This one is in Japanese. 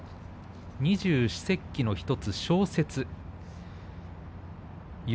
二十四節気の１つ、小雪。